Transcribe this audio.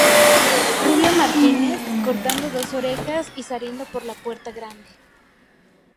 Rubio Martínez, cortando dos orejas y saliendo por la puerta grande.